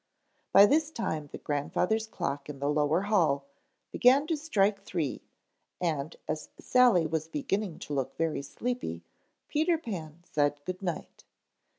By this time the grandfather's clock in the lower hall began to strike three and as Sally was beginning to look very sleepy Peter Pan said good night.